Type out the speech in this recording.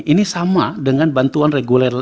ini sama dengan bantuan reguler